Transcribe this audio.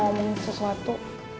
aku mau omongin sesuatu